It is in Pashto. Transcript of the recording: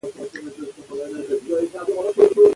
افغانستان د لمریز ځواک د پلوه ځانته ځانګړتیا لري.